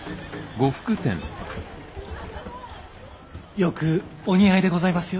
よくお似合いでございますよ。